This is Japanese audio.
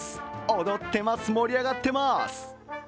踊ってます、盛り上がってます。